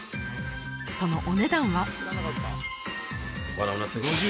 そのお値段は？